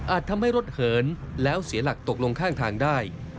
ทำให้รถเหินแล้วเสียหลักตกลงข้างทางได้